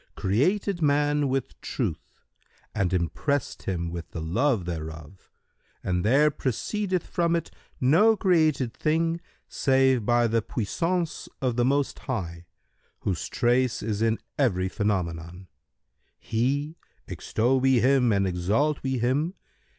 created man with Truth and impressed him with the love thereof and there proceedeth from it no created thing save by the puissance of the Most High, whose trace is in every phenomenon. He[FN#133] (extol we Him and exalt we Him!)